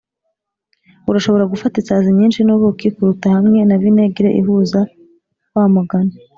urashobora gufata isazi nyinshi nubuki kuruta hamwe na vinegere ihuza wa mugani